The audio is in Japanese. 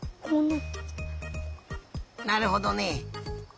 なるほどね。